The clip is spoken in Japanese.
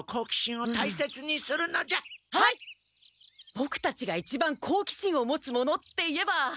ボクたちが一番好奇心を持つものっていえば。